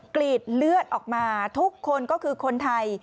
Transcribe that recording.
กรีดเลือดออกมาทุกคนก็คือคนไทย